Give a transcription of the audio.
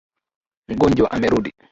Mjonjwa amerudi.